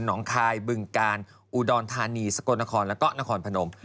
งคายบึงกาลอุดรธานีสกลนครแล้วก็นครพนม